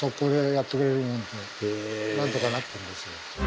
なんとかなってるんですよ。